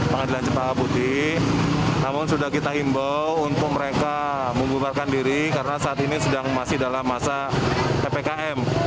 pengadilan cepat putih namun sudah kita imbau untuk mereka membuarkan diri karena saat ini masih dalam masa ppkm